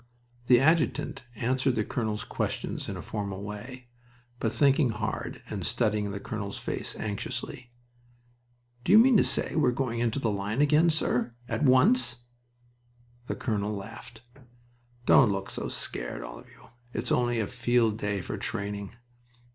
The adjutant answered the colonel's questions in a formal way, but thinking hard and studying the colonel's face anxiously. "Do you mean to say we are going into the line again, sir? At once?" The colonel laughed. "Don't look so scared, all of you! It's only a field day for training."